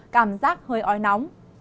cảm giác hơi oi nóng